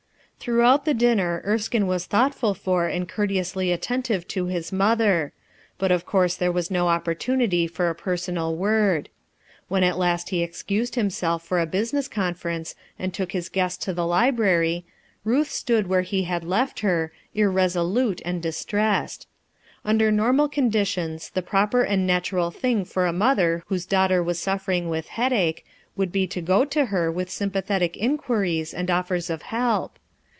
Throughout the dinner Erskine was thought ful for and courteously attentive to his mother; but of course there was no opportunity for a personal word. When at last he excused him self for a business conference and took his guest 33i 332 HUTU ERSKINI33 80N to (he library, Hulli Mood win n ho had left }„ involute ami dfefrcs'ed. Under normal coi ' «lit ions the proper and natural tiling for a moUi whose daughter was Buffering with hendaehe would l>o to go to lirr with sympathetic inquj. tie* and offers of help.